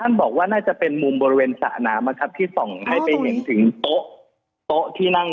ท่านบอกว่าน่าจะเป็นมุมบริเวณสะนามอะครับที่ต้องให้ไปเห็นถึงโต๊ะ